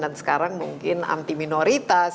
dan sekarang mungkin anti minoritas